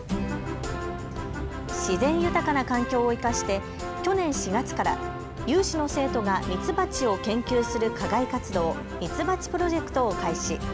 自然豊かな環境を生かして去年４月から有志の生徒がミツバチを研究する課外活動、みつばちプロジェクトを開始。